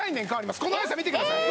この速さ見てください